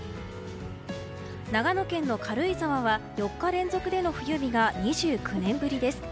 長野県の軽井沢は４日連続の冬日が２９年ぶりです。